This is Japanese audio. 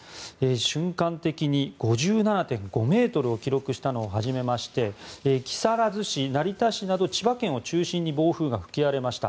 瞬間的に５７．５メートルを記録したのをはじめ木更津市、成田市など千葉県を中心に暴風が吹き荒れました。